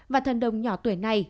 và thần đồng nhỏ tuổi này